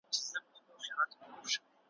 د مور له غېږي زنګېدلای تر پانوسه پوري ,